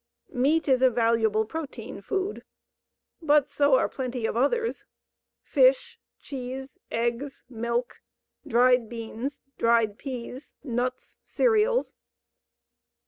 Meat is a valuable protein food, but so are plenty of others fish, cheese, eggs, milk, dried beans, dried peas, nuts, cereals.